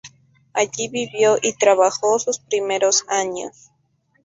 Allí vivió y trabajó sus primeros años.